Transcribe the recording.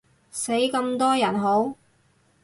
死咁多人好？